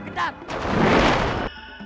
kalian tidak boleh berbuat semain main